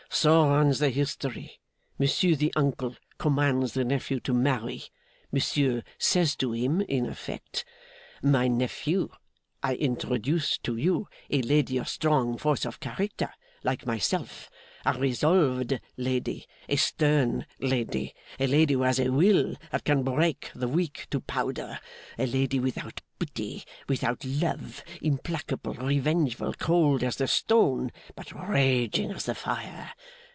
So runs the history. Monsieur, the uncle, commands the nephew to marry. Monsieur says to him in effect, "My nephew, I introduce to you a lady of strong force of character, like myself a resolved lady, a stern lady, a lady who has a will that can break the weak to powder: a lady without pity, without love, implacable, revengeful, cold as the stone, but raging as the fire."